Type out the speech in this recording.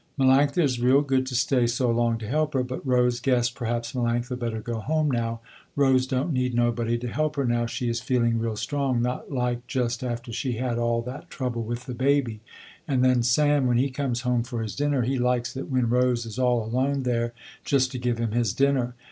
Melanctha is real good to stay so long to help her, but Rose guessed perhaps Melanctha better go home now, Rose don't need nobody to help her now, she is feeling real strong, not like just after she had all that trouble with the baby, and then Sam, when he comes home for his dinner he likes it when Rose is all alone there just to give him his dinner.